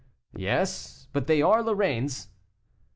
"Yes, but they are Lorraines."